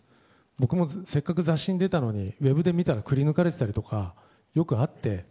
僕もせっかく雑誌に出たのにウェブで見たらくり抜かれてたりとかよくあって。